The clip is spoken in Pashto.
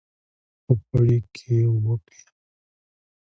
په پړي کې وپېله.